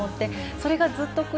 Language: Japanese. それがずっと。